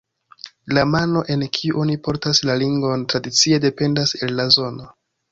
La mano en kiu oni portas la ringon tradicie dependas el la zono.